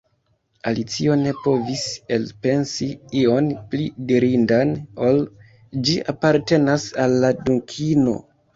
Alicio ne povis elpensi ion pli dirindan ol: "Ĝi apartenas al la Dukino. »